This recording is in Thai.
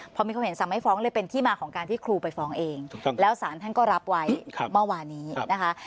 พอมีความเห็นสั่งไม่ฟ้องเลยเป็นที่มาของการที่ครูไปฟ้องเองแล้วสารท่านก็รับไว้เมื่อวานี้นะคะ